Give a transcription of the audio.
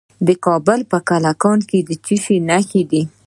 د کابل په کلکان کې د څه شي نښې دي؟